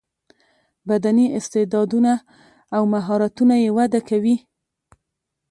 بدني استعداونه او مهارتونه یې وده کوي.